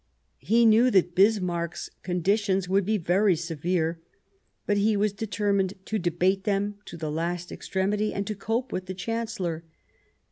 He knew that Bismarck's con ditions would be very severe, but he was determined to debate them to the last extremity and to cope with the Chancellor.